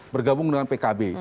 bergabung dengan pkb